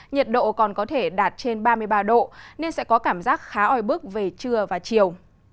nhiệt độ còn có thể đạt trên ba mươi ba độ nên sẽ có cảm giác khá oi bức về trưa và chiều